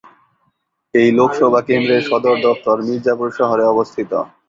এই লোকসভা কেন্দ্রের সদর দফতর মির্জাপুর শহরে অবস্থিত।